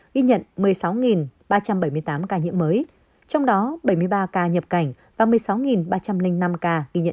ghi nhận một mươi sáu ba trăm bảy mươi tám ca nhiễm mới trong đó bảy mươi ba ca nhập cảnh và một mươi sáu ba trăm linh năm ca ghi nhận